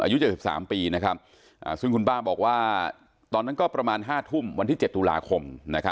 อายุ๗๓ปีซึ่งคุณป้าบอกว่าตอนนั้นก็ประมาณ๕ทุ่มวันที่๗ตุลาคม